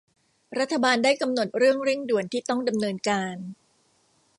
รัฐบาลได้กำหนดเรื่องเร่งด่วนที่ต้องดำเนินการ